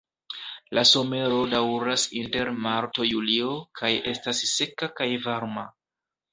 La somero daŭras inter marto-julio kaj estas seka kaj varma.